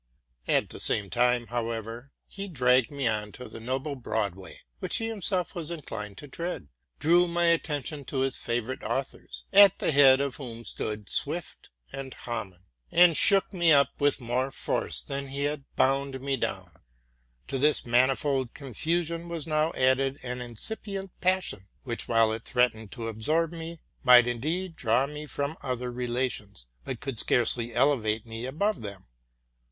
At the same time, however, he dragged me on to the noble broad way which he himself was inclined to tread, drew my attention to his favorite authors, at the head of whom stood Swift and Hamann, and shook me up with more force than lie 54 TRUTH AND FICTION had bound me down. 'To this manifold confusion was now added an incipient passion, which, while it threatened to absorb me, might indeed draw me from other relations, but could searcely elevate me above them.